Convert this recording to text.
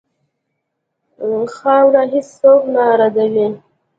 خاوره هېڅ څوک نه ردوي.